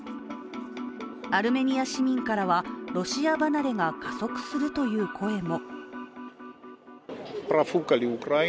アルメニア市民からはロシア離れが加速するという声も。